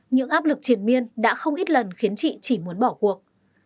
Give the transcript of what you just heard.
những áp lực triển miên đã không ít lần khiến chị chỉ muốn bỏ cuộc